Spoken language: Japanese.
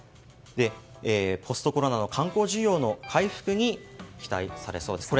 ポストコロナの観光需要の回復に期待されそうです。